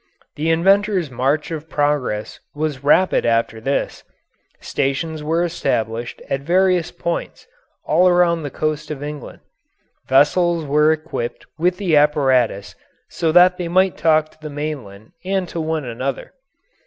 The inventor's march of progress was rapid after this stations were established at various points all around the coast of England; vessels were equipped with the apparatus so that they might talk to the mainland and to one another.